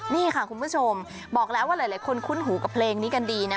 นี่ค่ะคุณผู้ชมบอกแล้วว่าหลายคนคุ้นหูกับเพลงนี้กันดีนะ